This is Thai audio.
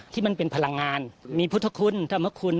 ที่มันเป็นพลังงานมีพุทธคุณธรรมคุณ